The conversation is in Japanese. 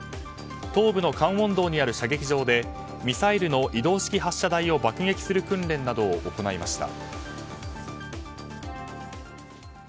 東部のカンウォン道にある射撃場でミサイルの移動式発射台を爆撃する訓練などを行いました。